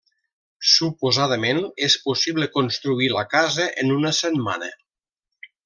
Suposadament és possible construir la casa en una setmana.